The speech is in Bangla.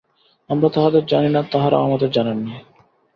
আমরা তাঁহাদের জানি না, তাঁহারাও আমাদের জানেন না।